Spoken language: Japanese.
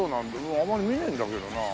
あまり見ないんだけどな。